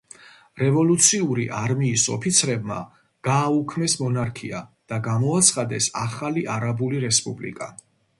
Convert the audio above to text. რევოლუციური არმიის ოფიცრებმა გააუქმეს მონარქია და გამოაცხადეს ახალი არაბული რესპუბლიკა.